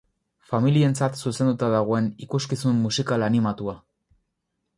Familientzat zuzenduta dagoen ikuskizun musikal animatua.